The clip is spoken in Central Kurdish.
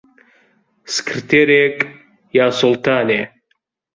سکرتێرێک... یا سوڵتانێ